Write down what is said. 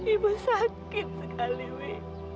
ibu sakit sekali ibu